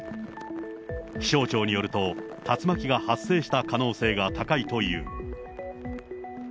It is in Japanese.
気象庁によると、竜巻が発生した可能性が高いという。